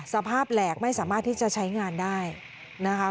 แหลกไม่สามารถที่จะใช้งานได้นะคะ